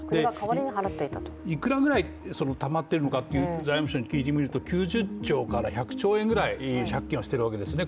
いくらぐらいたまってるのかと財務省に聞いてみると９０１００兆円ぐらい借金しているわけですね。